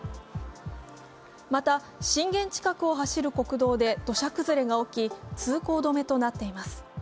また、震源近くを走る国道で土砂崩れが起き、通行止めとなっています。